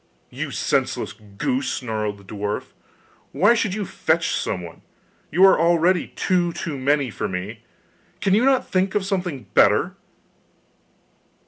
'You senseless goose!' snarled the dwarf; 'why should you fetch someone? You are already two too many for me; can you not think of something better?